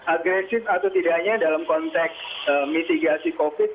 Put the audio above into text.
agresif atau tidaknya dalam konteks mitigasi covid sembilan belas